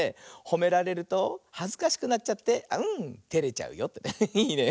ほめられるとはずかしくなっちゃってテレちゃうよってね。